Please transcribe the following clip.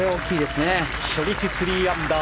初日３アンダー